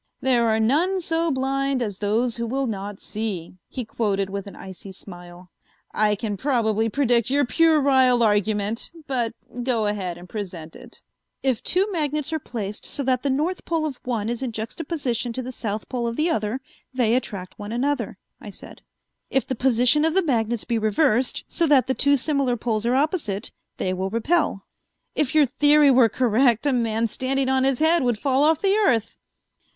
"There are none so blind as those who will not see," he quoted with an icy smile. "I can probably predict your puerile argument, but go ahead and present it." "If two magnets are placed so that the north pole of one is in juxtaposition to the south pole of the other, they attract one another," I said. "If the position of the magnets be reversed so that the two similar poles are opposite, they will repel. If your theory were correct, a man standing on his head would fall off the earth."